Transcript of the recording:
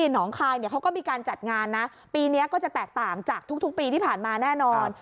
หนองคายเขาก็มีการจัดงานนะปีนี้ก็จะแตกต่างจากทุกปีที่ผ่านมาแน่นอน